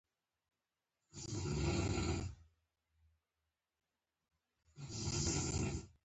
غله هم د پاکستان له مليشو سره لاره لري.